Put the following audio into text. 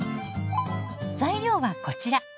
材料はこちら。